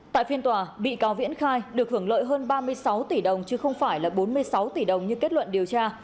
tại phiên tòa bị cáo viễn khai được hưởng lợi hơn ba mươi sáu tỷ đồng chứ không phải là bốn mươi sáu tỷ đồng như kết luận điều tra